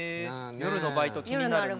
夜のバイト気になるな。